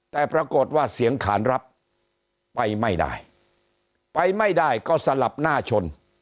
แต่ปรากฏว่าเสียงขานรับไปไม่ได้ไปไม่ได้ก็สลับหน้าชน